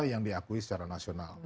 yang diakui secara nasional